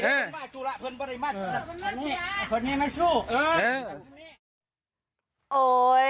ถนนมาสู้เออ